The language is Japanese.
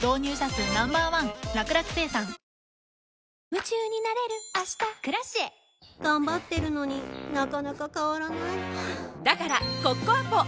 夢中になれる明日「Ｋｒａｃｉｅ」頑張ってるのになかなか変わらないはぁだからコッコアポ！